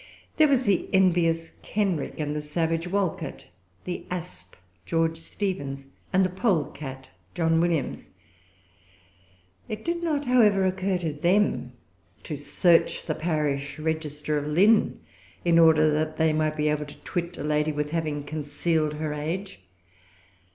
There was the envious Kenrick and the savage Wolcot, the asp George Steevens, and the polecat John Williams. It did not, however, occur to them to search the parish register of Lynn, in order that they might be able to twit a lady with having concealed her age.